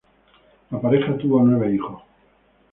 La pareja tuvo nueve hijos.